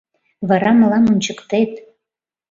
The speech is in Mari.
Вара мылам ончыктет.